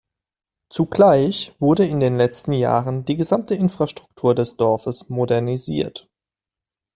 Zugleich wurde in den letzten Jahren die gesamte Infrastruktur des Dorfes modernisiert.